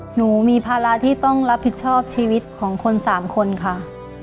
หนูมีภาระที่ต้องรับผิดชอบชีวิตของคนสามคนค่ะ